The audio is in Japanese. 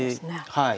はい。